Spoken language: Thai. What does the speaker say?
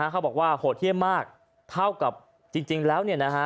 เขาบอกว่าโหดเยี่ยมมากเท่ากับจริงแล้ว